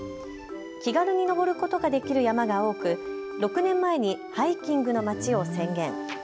気軽に登ることができる山が多く６年前にハイキングのまちを宣言。